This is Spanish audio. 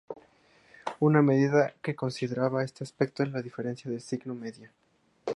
Una medida que considera este aspecto es la diferencia con signo media.